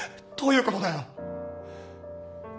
どういうことだよ！